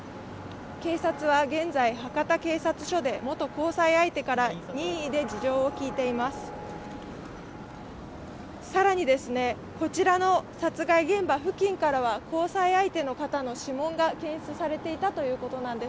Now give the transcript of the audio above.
警察は現在、博多警察署で元交際相手から任意で事情を聴いています。